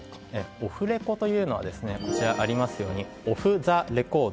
オフレコというのはこちらにありますようにオフ・ザ・レコード。